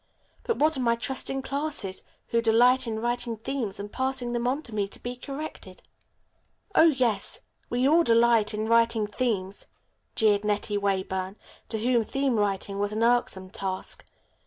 But what of my trusting classes, who delight in writing themes and passing them on to me to be corrected?" "Oh, yes; we all delight in writing themes," jeered Nettie Weyburn, to whom theme writing was an irksome task.